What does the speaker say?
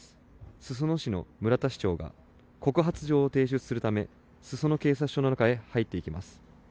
裾野市の村田市長が告発状を提出するため、裾野警察署の中へ入っていきます。